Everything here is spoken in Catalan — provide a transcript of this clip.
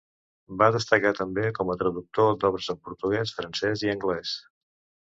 Va destacar també com a traductor d'obres en portuguès, francès i anglès.